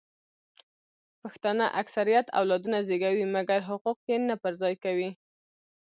پښتانه اکثریت اولادونه زیږوي مګر حقوق یې نه پر ځای کوي